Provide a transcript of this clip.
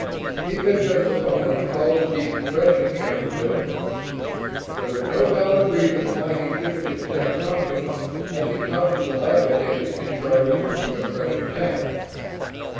_" He picked up the phone and called the decompression chamber building. There was no valid reason why he should have been self conscious as he talked to the lab attendant in charge of the decompression tank.